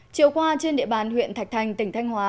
chiều qua trên địa bàn huyện thạch thành tỉnh thanh hóa